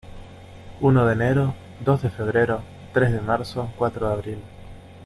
Uno de enero, dos de febrero, tres de marzo, cuatro de abril.